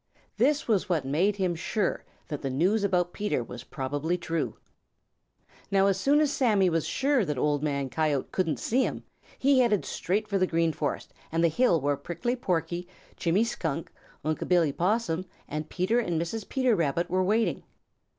This was what made him sure that the news about Peter was probably true. Now as soon as Sammy was sure that Old Man Coyote couldn't see him, he headed straight for the Green Forest and the hill where Prickly Porky, Jimmy Skunk, Unc' Billy Possum, and Peter and Mrs. Peter Rabbit were waiting.